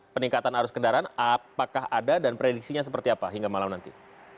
peningkatan arus kendaraan apakah ada dan prediksinya seperti apa hingga malam nanti